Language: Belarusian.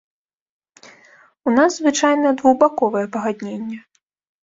У нас звычайна двухбаковае пагадненне.